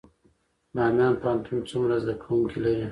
بامیان پوهنتون څومره زده کوونکي لري؟